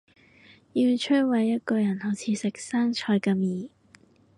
要摧毁一個人好似食生菜咁易